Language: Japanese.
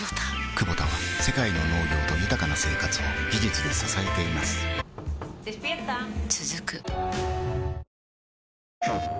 クボタは世界の農業と豊かな生活を技術で支えています起きて。